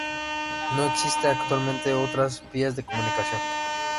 No existen actualmente otras vías de comunicación.